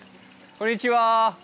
こんにちは。